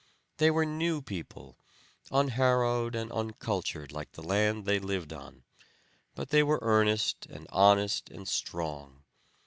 They were new people unharrowed and uncultured like the land they lived on but they were earnest and honest and strong.